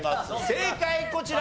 正解こちら！